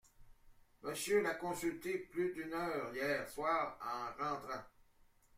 Monsieur l’a consulté plus d’une heure hier soir en rentrant.